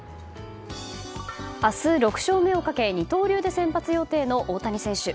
明日６勝目をかけ二刀流で先発予定の大谷選手。